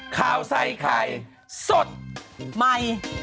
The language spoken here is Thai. ข่าวใส่ไข่สดใหม่